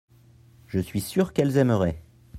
je suis sûr qu'elles aimeraient.